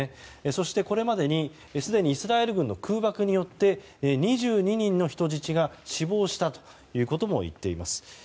そして、これまでにすでにイスラエル軍の空爆によって２２人の人質が死亡したということも言っています。